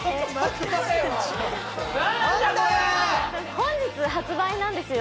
本日発売なんですよ